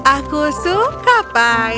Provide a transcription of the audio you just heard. aku suka pai